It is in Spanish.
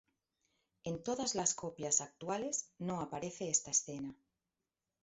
En todas las copias actuales no aparece esta escena.